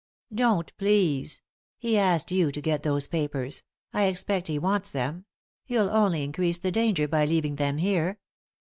" Don't, please I He asked you to get those papers ; I expect he wants them — you'll only increase the danger by leaving them here."